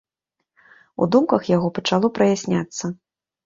У думках яго пачало праясняцца.